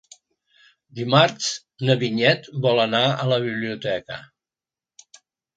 Dimarts na Vinyet vol anar a la biblioteca.